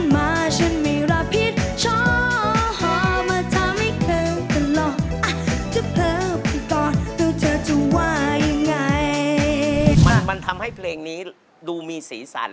มันทำให้เพลงนี้ดูมีสีสัน